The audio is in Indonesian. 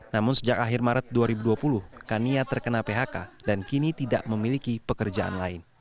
namun sejak akhir maret dua ribu dua puluh kania terkena phk dan kini tidak memiliki pekerjaan lain